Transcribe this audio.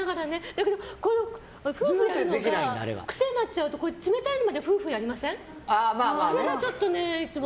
だけどフーフーやるのが癖になっちゃうと冷たいのまでフーフーやりません？